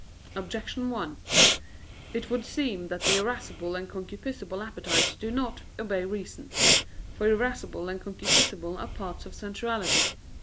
Objection 1: It would seem that the irascible and concupiscible appetites do not obey reason. For irascible and concupiscible are parts of sensuality.